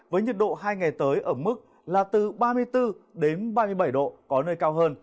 với nhiệt độ hai ngày tới ở mức là từ ba mươi bốn đến ba mươi bảy độ